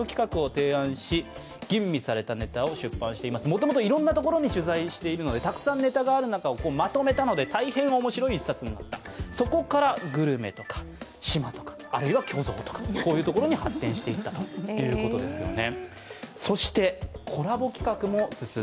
もともといろんな所に取材しているのでたくさんネタがある中をまとめたので大変おもしろい一冊になった、そこからグルメとか島とか、あるいは巨像というところに発展していったということですね。